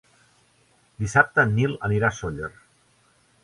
Dissabte en Nil anirà a Sóller.